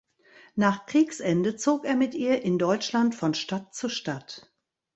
Nach Kriegsende zog er mit ihr in Deutschland von Stadt zu Stadt.